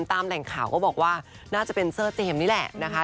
ตามแหล่งข่าวก็บอกว่าน่าจะเป็นเซอร์เจมส์นี่แหละนะคะ